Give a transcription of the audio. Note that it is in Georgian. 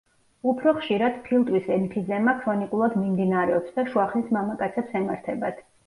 უფრო ხშირად ფილტვის ემფიზემა ქრონიკულად მიმდინარეობს და შუა ხნის მამაკაცებს ემართებათ.